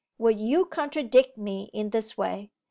'Will you contradict me in this way!